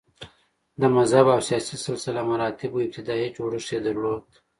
د مذهب او سیاسي سلسه مراتبو ابتدايي جوړښت یې درلود